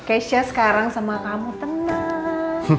kesha sekarang sama kamu tenang